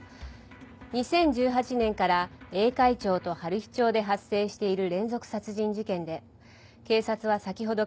２０１８年から栄海町と春陽町で発生している連続殺人事件で警察は先ほどから。